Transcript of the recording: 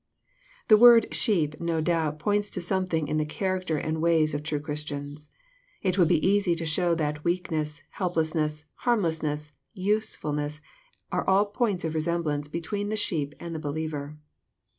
The word " sheep," no doubt, points to something in the character and ways of true Christians. It would be easy to show that weakness, helplessness, harmlessness, useful ness, are all points of resemblance between the sheep and the believer.